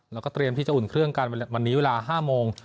แล้วก็เตรียมที่จะอุ่นเครื่องกันวันนี้เวลา๕โมง